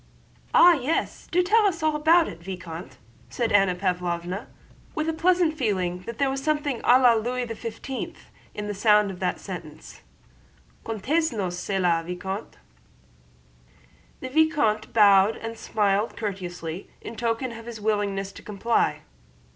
"Ah, yes! Do tell us all about it, Vicomte," said Anna Pávlovna, with a pleasant feeling that there was something à la Louis XV in the sound of that sentence: "Contez nous çela, Vicomte." The vicomte bowed and smiled courteously in token of his willingness to comply.